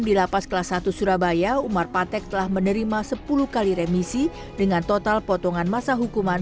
di lapas kelas satu surabaya umar patek telah menerima sepuluh kali remisi dengan total potongan masa hukuman